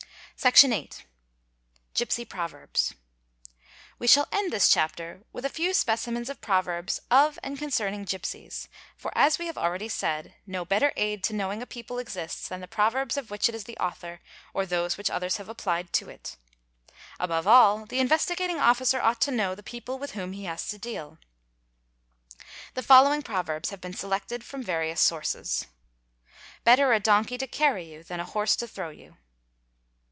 Section viiiiGipsy proverbs. _ We shall end this chapter with a few specimens of proverbs of and concerning gipsies, for, as we have already said, no better aid to know ing a people exists than the proverbs of which it is the author or those "which others have applied to it. Above all the Investigating Officer _ ought to know the people with whom he has to deal. The following proverbs have been selected from various sources :—" Better a donkey to carry you than a horse to throw you.